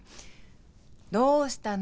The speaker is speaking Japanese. どうしたの？